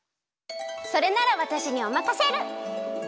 それならわたしにおまかシェル！